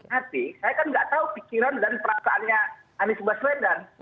tapi saya kan gak tahu pikiran dan perasaannya andi subaswedan